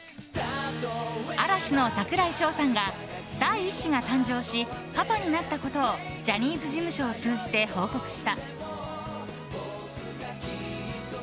嵐の櫻井翔さんが第１子が誕生しパパになったことをジャニーズ事務所を通じて報告した。